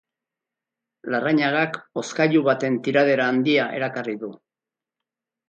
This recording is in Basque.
Larrañagak hozkailu baten tiradera handia erakarri du.